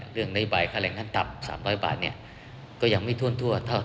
เรื่องน้อยบายค่าแรงงานตับ๓๐๐บาทก็ยังไม่ทวนทั่ว